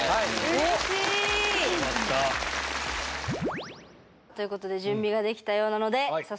うれしい！ということで準備ができたようなので早速お願いします！